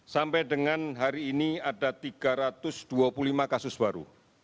sampai dengan hari ini ada tiga ratus dua puluh lima kasus baru